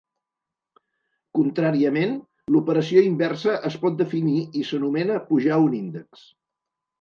Contràriament, l'operació inversa es pot definir i s'anomena "pujar un índex".